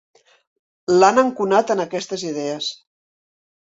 L'han enconat en aquestes idees.